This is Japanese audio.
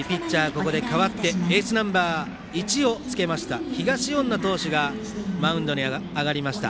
ここで代わってエースナンバー１をつけました東恩納投手がマウンドに上がりました。